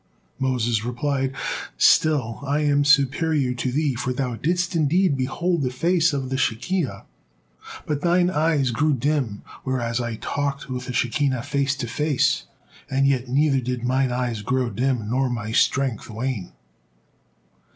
Moses replied: "Still am I superior to thee, for thou didst indeed behold the Face of the Shekihah, but thine eyes grew dim, whereas I talked with the Shekinah face to face, and yet neither did mine eyes grow dim nor my strength wane."